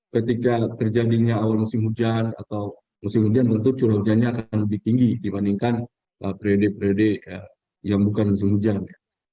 ketika terjadinya awal musim hujan atau musim hujan tentu curah hujannya akan lebih tinggi dibandingkan periode periode yang bukan musim hujan ya